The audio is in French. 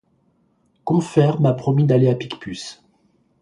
Combeferre m'a promis d'aller à Picpus.